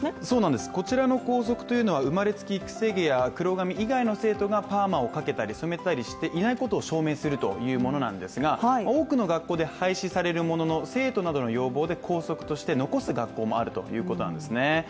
そうなんです、こちらの校則というのは生まれつき、くせ毛や黒髪以外の生徒がパーマをかけたり染めていないことを証明するというものなんですが多くの学校で廃止されるものの、生徒などの要望で校則として残す学校もあるということなんですね。